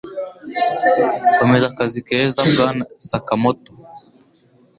Komeza akazi keza, Bwana Sakamoto.